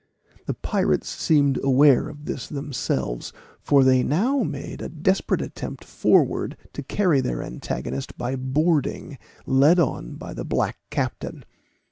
The pirates seemed aware of this themselves, for they now made a desperate attempt forward to carry their antagonist by boarding, led on by the black captain.